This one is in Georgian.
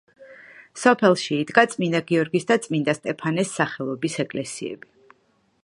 სოფელში იდგა წმინდა გიორგის და წმინდა სტეფანეს სახელობის ეკლესიები.